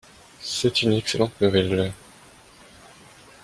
C’est une excellente nouvelle.